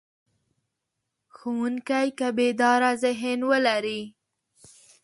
ښوونکی که بیداره ذهن ولري.